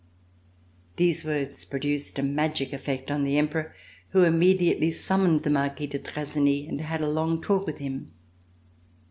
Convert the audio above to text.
These words produced a magic effect on the Emperor, who immediately summoned the Marquis de Trazegnies and had a long talk with him.